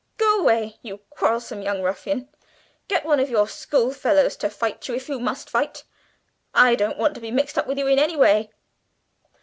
"Go away, you quarrelsome young ruffian! Get one of your schoolfellows to fight you, if you must fight. I don't want to be mixed up with you in any way."